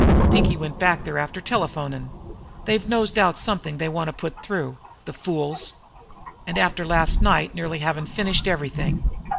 Pinkie went back there after telephonin'. They've nosed out something they want to put through. The fools! And after last night nearly havin' finished everything!